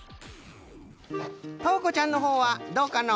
とうこちゃんのほうはどうかの？